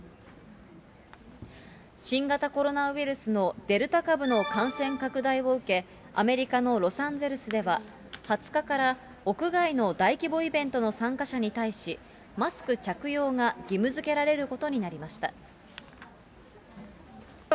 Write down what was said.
新型コロナウイルスのデルタ株の感染拡大を受け、アメリカのロサンゼルスでは、２０日から屋外の大規模イベントの参加者に対し、マスク着用が義務づけられることになりました。